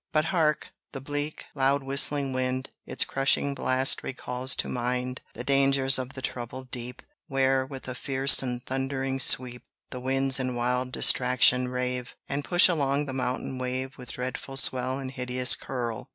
But hark! the bleak, loud whistling wind! Its crushing blast recalls to mind The dangers of the troubled deep; Where, with a fierce and thundering sweep, The winds in wild distraction rave, And push along the mountain wave With dreadful swell and hideous curl!